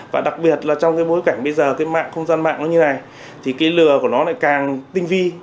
và đặc biệt là trong cái bối cảnh bây giờ cái mạng không gian mạng nó như này thì cái lừa của nó lại càng tinh vi